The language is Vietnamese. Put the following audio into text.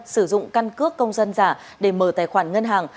sử dụng căn cước công dân giả để mở tài khoản ngân hàng